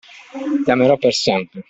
Ti amerò per sempre.